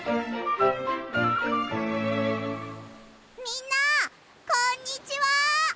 みんなこんにちは！